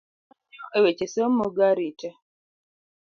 Konyo e weche somo go arita.